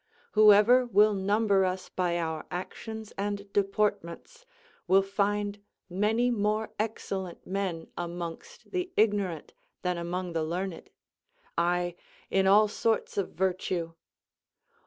Whoever will number us by our actions and deportments will find many more excellent men amongst the ignorant than among the learned; aye, in all sorts of virtue.